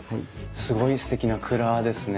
すごいすてきな蔵ですね。